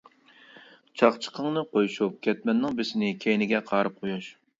چاقچىقىڭنى قويۇشۇپ كەتمەننىڭ بىسىنى كەينىگە قايرىپ قويۇش!